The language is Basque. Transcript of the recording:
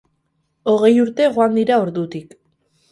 Hogei urte joan dira ordutik.